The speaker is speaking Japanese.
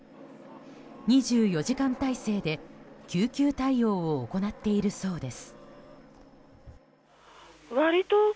２４時間態勢で救急対応を行っているそうです。